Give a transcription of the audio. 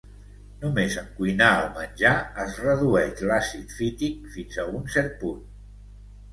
Només en cuinar el menjar, es redueix l'àcid fític fins a un cert punt.